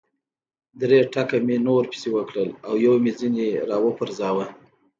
درې ټکه مې نور پسې وکړل او یو مې ځنې را و پرځاوه.